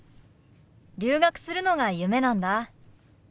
留学するのが夢なんだ。